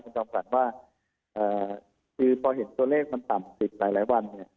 แต่ต้องการว่าคือพอเห็นตัวเลขมันต่ำติดหลายวัน